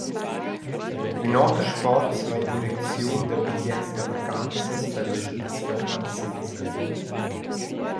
Ün oter sforz va in direcziun da bigliets da vacanzas per la Svizra francesa.